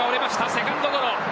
セカンドゴロ。